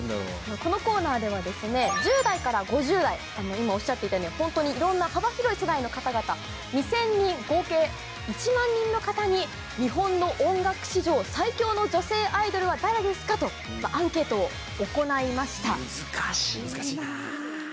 このコーナーでは、１０代から５０代、今おっしゃっていたように、本当にいろんな幅広い世代の方々２０００人、合計１万人の方に日本の音楽史上、最強の女性アイドルは誰ですかと、アンケートを行難しいなー。